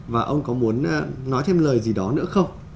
và ông có muốn nói thêm lời gì đó nữa không